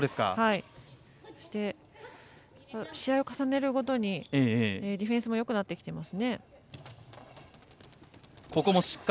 そして、試合を重ねるごとにディフェンスもよくなってきています。